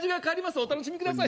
お楽しみください